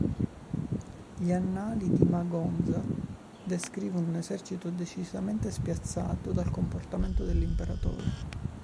Gli Annali di Magonza descrivono un esercito decisamente spiazzato dal comportamento dell'imperatore.